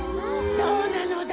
どうなのだ？